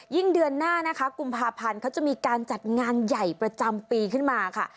เดือนหน้านะคะกุมภาพันธ์เขาจะมีการจัดงานใหญ่ประจำปีขึ้นมาค่ะ